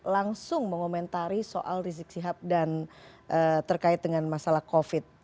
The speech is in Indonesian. langsung mengomentari soal rizik sihab dan terkait dengan masalah covid